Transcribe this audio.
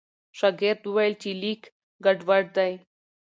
شاګرد وویل چې لیک ګډوډ دی.